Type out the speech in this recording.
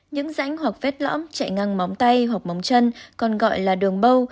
những rãnh hoặc vết lõm chạy ngang móng tay hoặc móng chân còn gọi là đường bâu